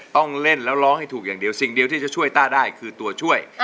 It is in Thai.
ต้องเล่นแล้วร้องให้ถูกอย่างเดียวสิ่งเดียวที่จะช่วยต้าได้คือตัวช่วย